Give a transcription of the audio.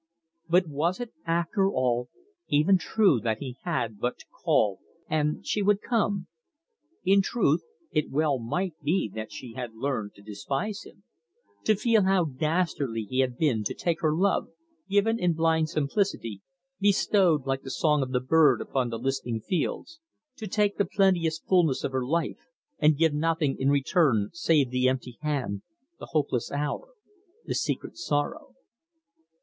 But was it, after all, even true that he had but to call and she would come? In truth it well might be that she had learned to despise him; to feel how dastardly he had been to take her love, given in blind simplicity, bestowed like the song of the bird upon the listening fields to take the plenteous fulness of her life, and give nothing in return save the empty hand, the hopeless hour, the secret sorrow.